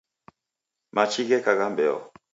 Machi gheka gha mbeo